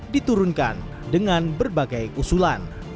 diturunkan dengan berbagai usulan